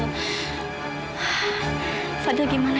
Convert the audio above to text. fadil gimana ya keadaannya